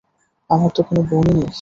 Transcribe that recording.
আমার তো কোনো বোন-ই নেই।